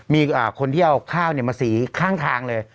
มีคนที่เอาข้าวมาสีข้างทางเลย